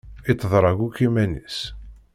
Itteḍrag akk iman-is.